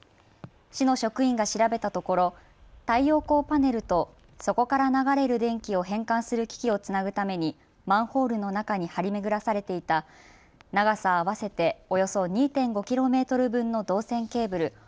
市の職員が調べたところ、太陽光パネルとそこから流れる電気を変換する機器をつなぐためにマンホールの中に張り巡らされていた長さ合わせておよそ２．５ｋｍ分の銅線ケーブル